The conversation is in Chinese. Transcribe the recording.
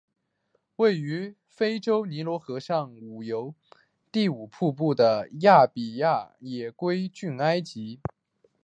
位于非洲尼罗河上游第五瀑布的努比亚也归附埃及。